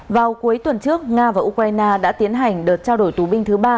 vào cuối tuần trước nga và ukraine đã tiến hành đợt trao đổi tù binh thứ ba